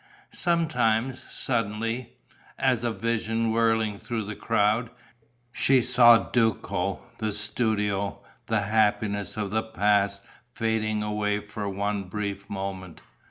Sometimes, suddenly as a vision whirling through the crowd she saw Duco, the studio, the happiness of the past fading away for one brief moment.